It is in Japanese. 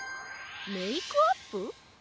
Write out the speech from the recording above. メイクアップ？